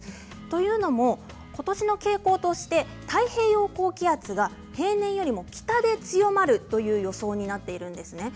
というのもことしの傾向として太平洋高気圧が平年よりも北で強まるという予想になっているんですね。